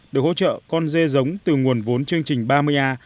được hỗ trợ con dê giống từ nguồn vốn chương trình ba mươi a